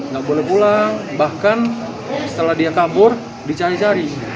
gak boleh pulang bahkan setelah dia kabur dicari cari